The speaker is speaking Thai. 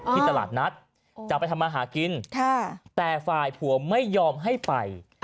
ที่ตลาดนัดจะไปทำมาหากินแต่ฝ่ายผัวไม่ยอมให้ไป